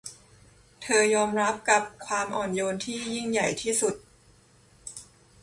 เธอยอมรับกับความอ่อนโยนที่ยิ่งใหญ่ที่สุด